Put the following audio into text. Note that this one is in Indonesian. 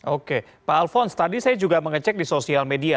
oke pak alphonse tadi saya juga mengecek di sosial media